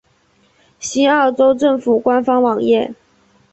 西澳州政府官方网页